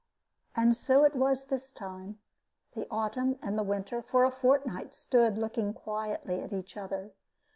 And so it was this time. The autumn and the winter for a fortnight stood looking quietly at each other.